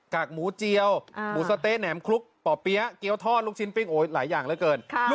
กหมูเจียวหมูสะเต๊ะแหนมคลุกป่อเปี๊ยะเกี้ยวทอดลูกชิ้นปิ้งโอ้ยหลายอย่างเหลือเกิน